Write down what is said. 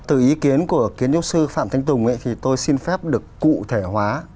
từ ý kiến của kiến trúc sư phạm thanh tùng thì tôi xin phép được cụ thể hóa